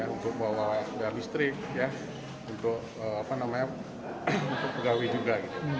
untuk bawa bawa dari listrik untuk pegawai juga